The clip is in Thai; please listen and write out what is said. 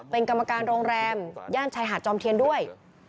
เป็นกรรมการโรงแรมย่านชายหาดจอมเทียนด้วย